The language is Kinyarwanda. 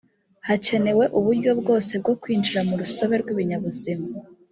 hakenewe uburyo bwose bwo kwinjira mu rusobe rw’ibinyabuzima